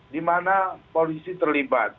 di mana polisi terlibat